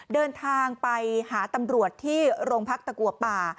เดินทางไปหาตำรวจที่โรงพักตะกัวป่า